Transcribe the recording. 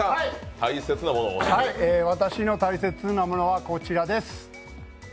私の大切なものはこちらです。